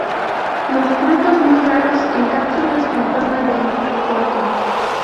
Los frutos muy raros en cápsulas con forma de embudo corto.